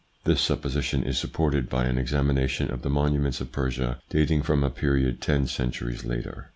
This supposition is supported by an examination of the monuments of Persia dating from a period ten centuries later.